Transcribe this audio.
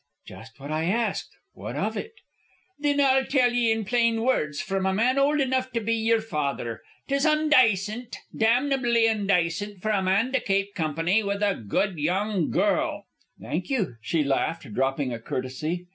"Just what I asked, what of it?" "Thin I'll tell ye in plain words from a man old enough to be yer father. 'Tis undacent, damnably undacent, for a man to kape company with a good young girl " "Thank you," she laughed, dropping a courtesy.